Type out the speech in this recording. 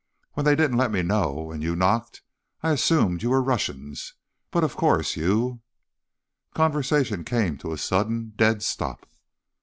When they didn't let me know, and you knocked, I assumed you were Russians. But, of course, you—" Conversation came to a sudden dead stop.